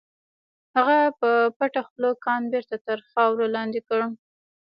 هغه په پټه خوله کان بېرته تر خاورو لاندې کړ.